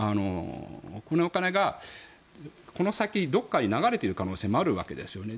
このお金が、この先どこかに流れている可能性もあるわけですね。